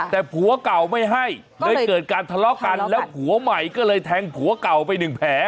แต่ผัวเก่าไม่ให้เลยเกิดการทะเลาะกันแล้วผัวใหม่ก็เลยแทงผัวเก่าไปหนึ่งแผล